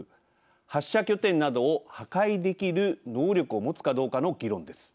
発射拠点などを破壊できる能力を持つかどうかの議論です。